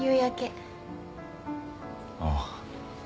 ああ。